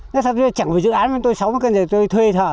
nói thật chẳng phải dự án với tôi sáu mươi cân thì tôi thuê thợ